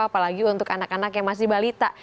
apalagi untuk anak anak yang masih balita